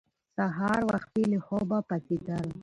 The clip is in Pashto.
سهار وختي له خوبه پاڅېدل